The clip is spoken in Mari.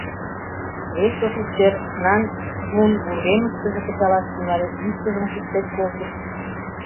Вес офицер Нан Чжун вургемыштыже кычалаш тӱҥале, ӱштыжым кушкед колтыш.